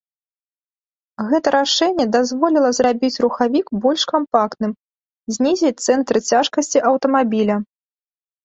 Гэта рашэнне дазволіла зрабіць рухавік больш кампактным, знізіць цэнтр цяжкасці аўтамабіля.